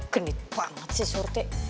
genit banget si suti